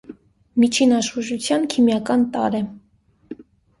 Միջին աշխուժութեան քիմիական տարր է։